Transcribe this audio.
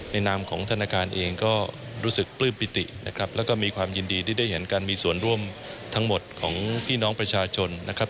นามของธนาคารเองก็รู้สึกปลื้มปิตินะครับแล้วก็มีความยินดีที่ได้เห็นการมีส่วนร่วมทั้งหมดของพี่น้องประชาชนนะครับ